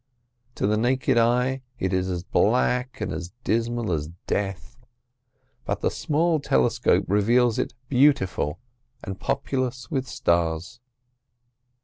To the naked eye it is as black and as dismal as death, but the smallest telescope reveals it beautiful and populous with stars.